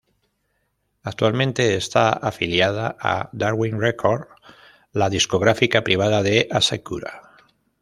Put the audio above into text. Actualmente está afiliada a Darwin Records, la discográfica privada de Asakura.